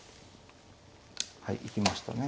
はい行きましたね。